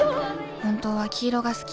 本当は黄色が好き。